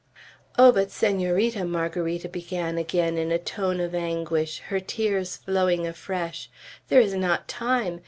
"Oh, but Senorita," Margarita began again in a tone of anguish, her tears flowing afresh, "there is not time!